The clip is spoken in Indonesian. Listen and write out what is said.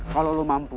kalau lo mampu